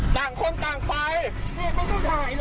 ต่างคนต่างไป